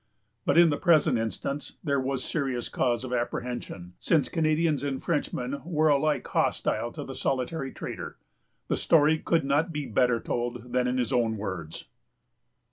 But in the present instance there was serious cause of apprehension, since Canadians and Frenchmen were alike hostile to the solitary trader. The story could not be better told than in his own words.